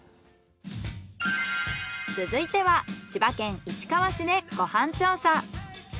続いては千葉県市川市でご飯調査。